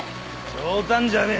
冗談じゃねぇ！